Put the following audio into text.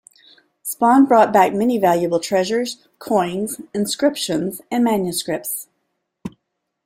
Spon brought back many valuable treasures, coins, inscriptions and manuscripts.